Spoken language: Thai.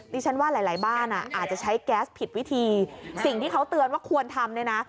ดิฉันว่าหลายหลายบ้านอ่ะอาจจะใช้แก๊สผิดวิธีสิ่งที่เขาเตือนว่าควรทำเนี่ยนะ